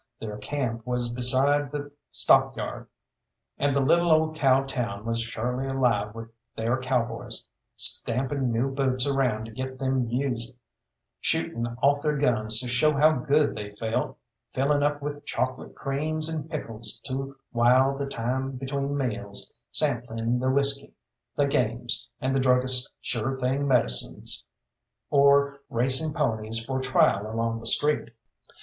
Their camp was beside the stock yard, and the little old cow town was surely alive with their cowboys, stamping new boots around to get them used, shooting off their guns to show how good they felt, filling up with chocolate creams and pickles to while the time between meals, sampling the whisky, the games, and the druggist's sure thing medicines, or racing ponies for trial along the street.